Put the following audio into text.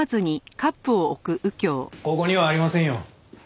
ここにはありませんよ。